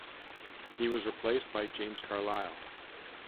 He was replaced by James Carlisle.